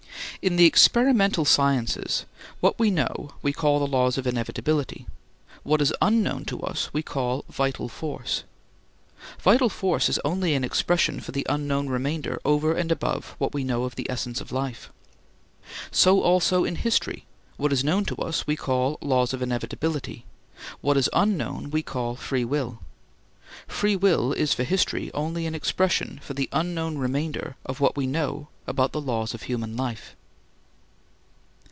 In the experimental sciences what we know we call the laws of inevitability, what is unknown to us we call vital force. Vital force is only an expression for the unknown remainder over and above what we know of the essence of life. So also in history what is known to us we call laws of inevitability, what is unknown we call free will. Free will is for history only an expression for the unknown remainder of what we know about the laws of human life.